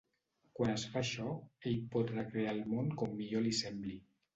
Quan es fa això, ell pot recrear el món com millor li sembli.